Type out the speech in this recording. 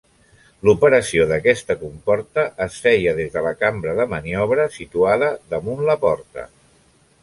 L'operació d'aquesta comporta es feia des de la cambra de maniobra situada damunt la porta.